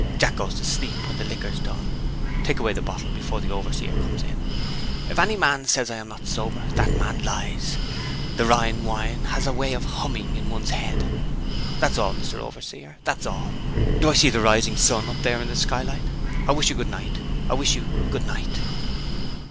Jack goes to sleep, when the liquor's done. Take away the bottle, before the overseer comes in. If any man says I am not sober, that man lies. The Rhine wine has a way of humming in one's head. That's all, Mr. Overseer that's all. Do I see the sun rising, up there in the skylight? I wish you good night; I wish you good night."